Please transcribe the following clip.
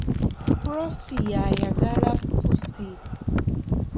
Prosy yayagala pussi.